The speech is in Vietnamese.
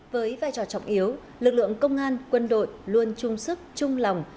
với vai trò trọng yếu lực lượng công an quân đội luôn chung sức chung lòng